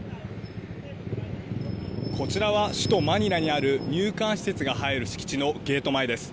こちらは首都マニラにある入管施設が入る敷地のゲート前です。